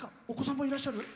お子さんもいらっしゃる。